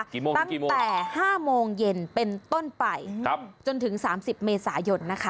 ตั้งแต่๕โมงเย็นเป็นต้นไปจนถึง๓๐เมษายนนะคะ